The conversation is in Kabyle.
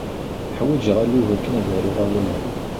Ḥwajeɣ alug akken ad aruɣ awalen.